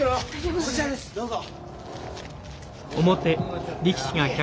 こちらですどうぞ。